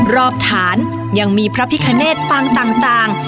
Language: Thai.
ฐานยังมีพระพิคเนตปางต่าง